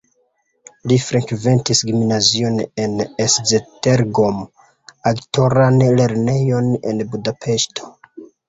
Li frekventis gimnazion en Esztergom, aktoran lernejon en Budapeŝto.